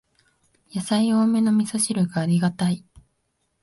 やさい多めのみそ汁がありがたい